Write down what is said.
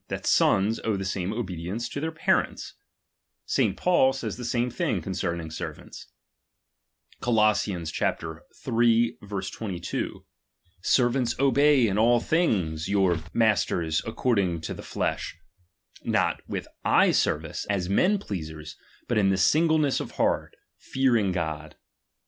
7, that sons^^ic„ owe the same obedience to their parents. Saint Paul says the same thing concerning servants (Coloss. iii. 22) : Servants obey in all things your I 14G DOMINION. . masters according to the flesh, not with eye sermce, as men pleasers, but in singleness of heart, fearing God.